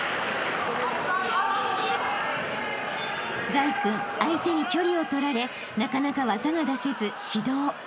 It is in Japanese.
［凱君相手に距離を取られなかなか技が出せず指導］